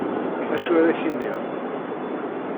Acu ara ak-iniɣ.